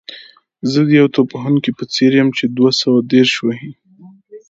زه د یو توپ وهونکي په څېر یم چې دوه سوه دېرش وهي.